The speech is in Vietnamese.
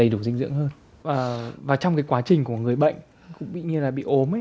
cũng như là bị ốm